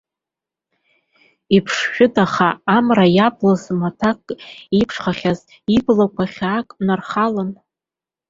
Иԥшшәыдаха, амра иаблыз маҭәак еиԥшхахьаз, иблақәа хьаак нархылан.